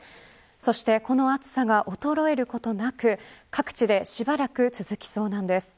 そしてこの暑さが衰えることなく各地でしばらく続きそうなんです。